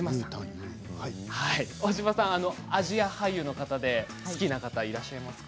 大島さん、アジア俳優の方で好きな方はいますか？